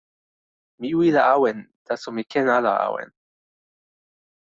mi wile awen, taso mi ken ala awen.